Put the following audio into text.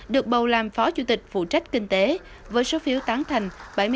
được bầu làm phó chủ tịch phụ trách kinh tế với số phiếu tán thành bảy mươi tám tám mươi năm